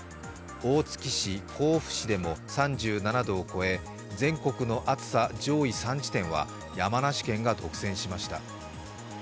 大月市、甲府市でも３７度を超え、全国の暑さ上位３地点は山梨県が独占しました。